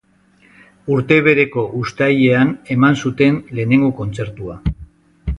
Urte bereko uztailean eman zuten lehenengo kontzertua.